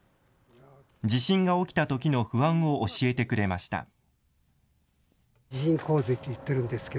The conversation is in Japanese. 地震が起きたときの不安を教えてくれました。